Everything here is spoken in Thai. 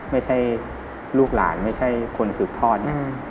ไม่ใช่ลูกหลานไม่ใช่คนถือพอร์ต